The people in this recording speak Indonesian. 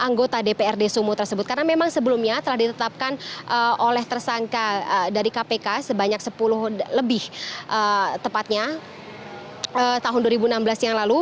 anggota dprd sumo tersebut karena memang sebelumnya telah ditetapkan oleh tersangka dari kpk sebanyak sepuluh lebih tepatnya tahun dua ribu enam belas yang lalu